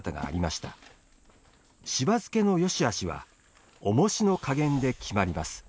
しば漬けのよしあしはおもしの加減で決まります。